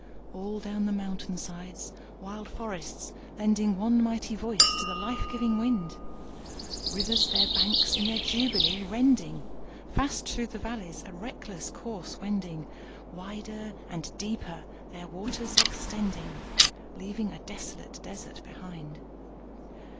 All down the mountain sides wild forests lending One mighty voice to the life giving wind, Rivers their banks in their jubilee rending, Fast through the valleys a reckless course wending, Wider and deeper their waters extending, Leaving a desolate desert behind.